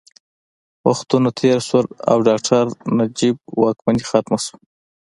وختونه تېر شول او ډاکټر نجیب واکمني ختمه شوه